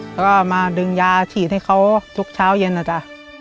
แล้วก็มาดึงยาฉีดให้เขาทุกเช้าเย็นนะจ๊ะ